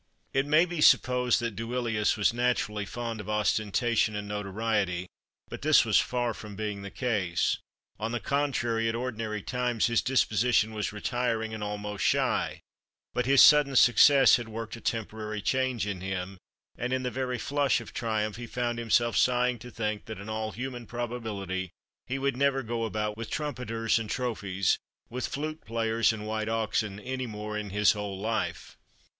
It may be supposed that Duilius was naturally fond of ostentation and notoriety, but this was far from being the case; on the contrary, at ordinary times his disposition was retiring and almost shy, but his sudden success had worked a temporary change in him, and in the very flush of triumph he found himself sighing to think, that in all human probability, he would never go about with trumpeters and trophies, with flute players and white oxen, any more in his whole life.